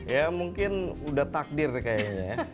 ya mungkin udah takdir kayaknya ya